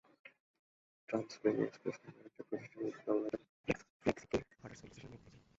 ট্রান্সপেনি Express নামের একটি প্রতিষ্ঠান ইঁদুর দমনের জন্য ফেলিক্সকে হাডার্সফিল্ড স্টেশনে নিয়োগ দিয়েছিল।